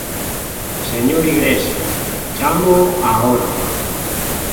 Señor Igrexa, chámoo a orde.